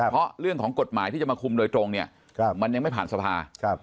เพราะเรื่องของกฎหมายที่จะมาคุมโดยตรงเนี่ยมันยังไม่ผ่านสภา